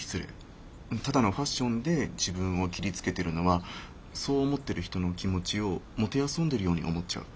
ただのファッションで自分を切りつけてるのはそう思ってる人の気持ちを弄んでるように思っちゃう。